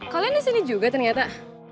kalian disini juga ternyata